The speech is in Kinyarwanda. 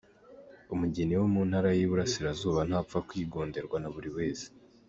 Umugeni wo mu Ntara y’Iburasirazuba ntapfa kwigonderwa na buri wese.